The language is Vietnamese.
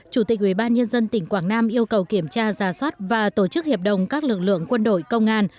chủ tịch ubnd tỉnh quảng nam yêu cầu kiểm tra giả soát và tổ chức hiệp đồng các lực lượng quân đội công an